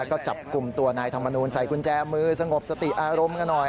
ก็จับกลุ่มตัวนายธรรมนูลใส่กุญแจมือสงบสติอารมณ์กันหน่อย